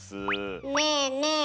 ねえねえ